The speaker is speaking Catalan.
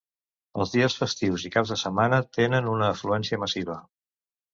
Els dies festius i caps de setmana tenen una afluència massiva.